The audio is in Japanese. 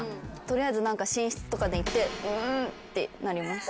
取りあえず寝室とかに行って。ってなります。